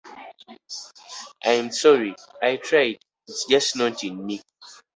I'm sorry - I tried, it's just not in me.